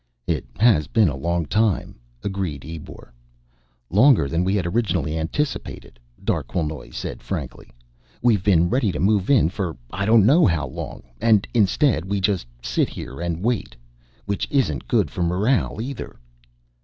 "It has been a long time," agreed Ebor. "Longer than we had originally anticipated," Darquelnoy said frankly. "We've been ready to move in for I don't know how long. And instead we just sit here and wait. Which isn't good for morale, either."